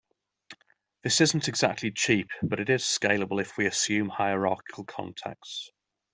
This isn't exactly cheap, but it is scalable if we assume hierarchical contexts.